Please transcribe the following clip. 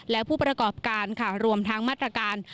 และผู้ประกอบการค่ะรวมทั้งมาตรการ